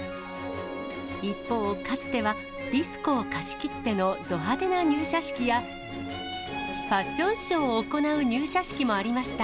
一方、かつては、ディスコを貸し切ってのど派手な入社式や、ファッションショーを行う入社式もありました。